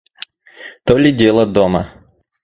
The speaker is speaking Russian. То ли дело дома!